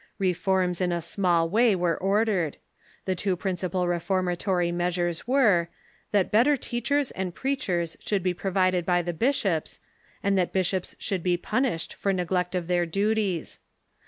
Reforms in a small way were ordered. The two principal reformatory measures were, that better teachers and preachers should be provided by the bishops, and that bishops should be punished for neglect of their duties.